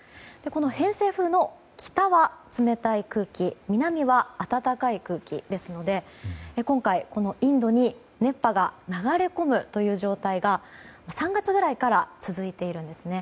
この偏西風の、北は冷たい空気南は暖かい空気ですので今回、インドに熱波が流れ込むという状態が３月ぐらいから続いているんですね。